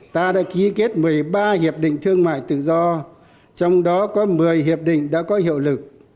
ta đã ký kết một mươi ba hiệp định thương mại tự do trong đó có một mươi hiệp định đã có hiệu lực